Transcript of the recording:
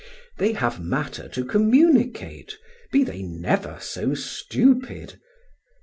They have matter to communicate, be they never so stupid.